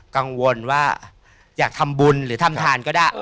กังวลว่าอยากทำบุญหรือทำทานก็ได้